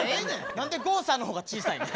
何で郷さんの方が小さいねん。